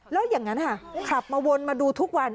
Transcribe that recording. แล้วอย่างนั้นค่ะขับมาวนมาดูทุกวัน